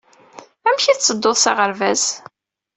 Amek ay tettedduḍ s aɣerbaz?